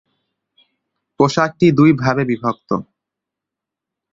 পোশাকটি দুই ভাগে বিভক্ত।